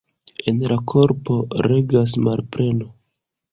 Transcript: En la korpo regas malpleno.